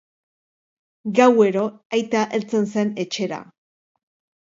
Gauero, aita heltzen zen etxera.